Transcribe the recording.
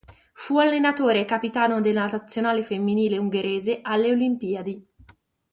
Fu allenatore e capitano della nazionale femminile ungherese alle olimpiadi.